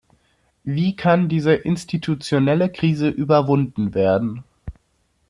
Wie kann diese institutionelle Krise überwunden werden?